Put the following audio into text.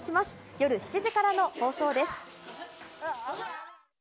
夜７時からの放送です。